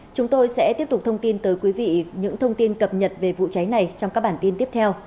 chúng tôi sẽ tiếp tục thông tin tới quý vị những thông tin cập nhật về vụ cháy này trong các bản tin tiếp theo